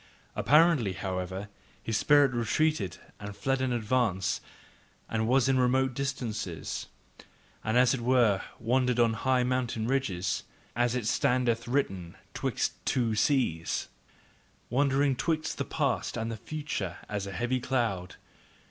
Apparently, however, his spirit retreated and fled in advance and was in remote distances, and as it were "wandering on high mountain ridges," as it standeth written, "'twixt two seas, Wandering 'twixt the past and the future as a heavy cloud."